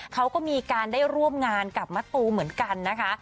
เขาก็มีการได้ร่วมงานกับมะตูเหมือนกันนะคะ